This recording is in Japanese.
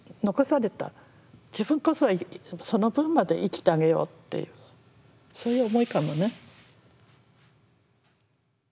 自分こそはその分まで生きてあげようっていうそういう思いかもね。